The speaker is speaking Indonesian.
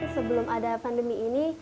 sebelum ada pandemi ini